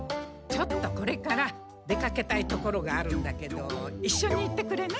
ちょっとこれから出かけたいところがあるんだけどいっしょに行ってくれない？